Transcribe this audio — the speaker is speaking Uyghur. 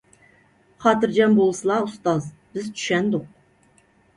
خاتىرجەم بولسىلا، ئۇستاز، بىز چۈشەندۇق.